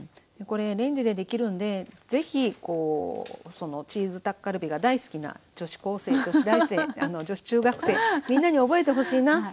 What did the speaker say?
これレンジでできるのでぜひチーズタッカルビが大好きな女子高生女子大生女子中学生みんなに覚えてほしいな。